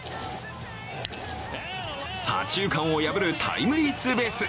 左中間を破るタイムリーツーベース。